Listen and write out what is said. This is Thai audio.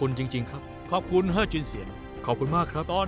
เอ่อที่จริงครั้งนี้ที่ได้มาสตาร์เชฟ